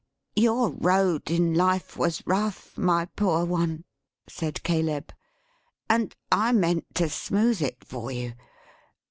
"Your road in life was rough, my poor one," said Caleb, "and I meant to smooth it for you.